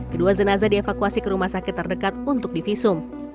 kedua jenazah dievakuasi ke rumah sakit terdekat untuk divisum